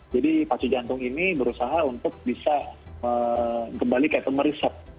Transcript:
jadi pacu jantung ini berusaha untuk bisa kembali meresap